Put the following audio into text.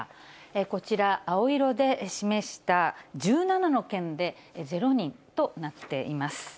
こちら、青色で示した１７の県でゼロ人となっています。